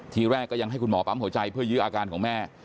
ทีแรกก็ยังให้คุณหมอปั๊มหัวใจเพื่อยื้ออาการของแม่